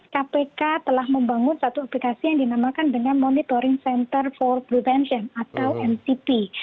kpk telah membangun satu aplikasi yang dinamakan dengan monitoring center for prevention atau mcp